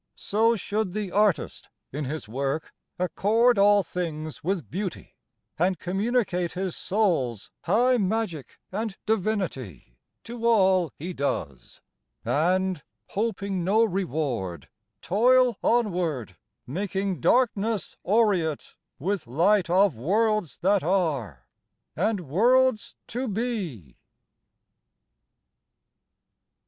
So should the artist in his work accord All things with beauty, and communicate His soul's high magic and divinity To all he does; and, hoping no reward, Toil onward, making darkness aureate With light of worlds that are and worlds to be.